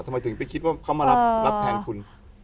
ทำไมถึงไปคิดว่าเขามารับแทนคุณ